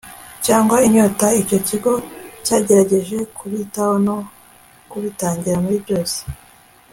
cyangwa inyota icyo kigo cyagerageje kubitaho no kubitangira muri byose